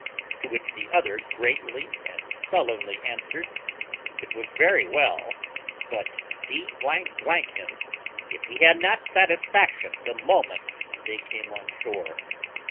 To which the other greatly and sullenly answered, "It was very well; but d n him if he had not satisfaction the moment they came on shore."